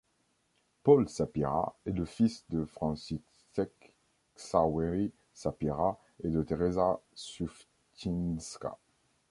Paul Sapieha est le fils de Franciszek Ksawery Sapieha et de Teresa Suffczyńska.